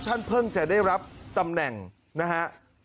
ท่านเพิ่งจะได้รับตำแหน่งนะฮะ